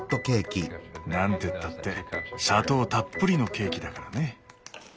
なんてったって砂糖たっぷりのケーキだからね。